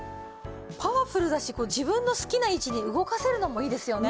パワフルだし自分の好きな位置に動かせるのもいいですよね。